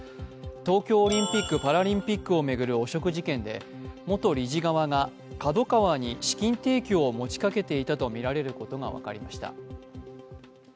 東京オリンピック・パラリンピックを巡る汚職事件で元理事側が、ＫＡＤＯＫＡＷＡに資金提供をもちかけていたとみられることが分かりました。